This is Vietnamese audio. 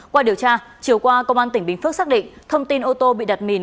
qua điều tra chiều qua công an tỉnh bình phước xác định thông tin ô tô bị đặt mìn